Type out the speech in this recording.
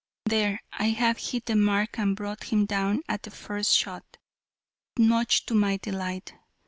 There, I have hit the mark and brought him down at the first shot, much to my delight.